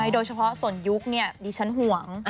โดยเฉพาะส่วนยุคดิฉันห่วง